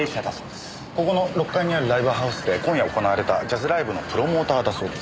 ここの６階にあるライブハウスで今夜行われたジャズライブのプロモーターだそうです。